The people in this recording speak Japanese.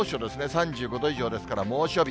３５度以上ですから、猛暑日。